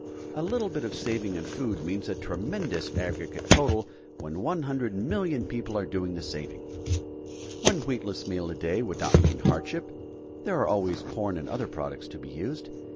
A little bit of saving in food means a tremendous aggregate total, when 100,000,000 people are doing the saving. One wheatless meal a day would not mean hardship; there are always corn and other products to be used.